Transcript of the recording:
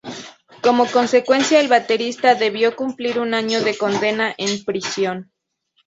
Como consecuencia, el baterista debió cumplir un año de condena en prisión.